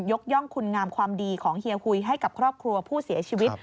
ย่องคุณงามความดีของเฮียหุยให้กับครอบครัวผู้เสียชีวิต